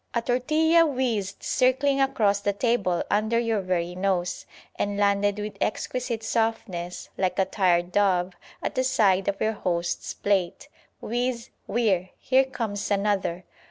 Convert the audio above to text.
A tortilla whizzed circling across the table under your very nose, and landed with exquisite softness, like a tired dove, at the side of your host's plate. Whizz, whirr! here comes another!